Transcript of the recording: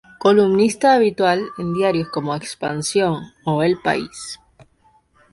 Columnista habitual en diarios como "Expansión" o "El País.